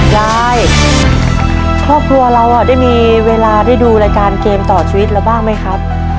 ยายครอบครัวเราได้มีเวลาได้ดูรายการเกมต่อชีวิตเราบ้างไหมครับ